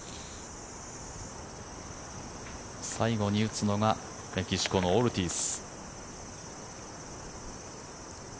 最後に打つのがメキシコのオルティーズ。